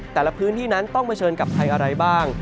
แต่ละพื้นที่นั้นต้องเผชิญกับภัยอะไรบ้าง